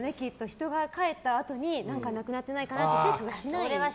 人が帰ったあとに何かなくなってないかなってチェックはしない。